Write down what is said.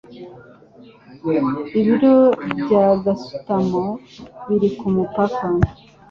Ibiro bya gasutamo biri kumupaka.